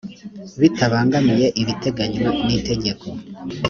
bitabangamiye ibiteganywa n itegeko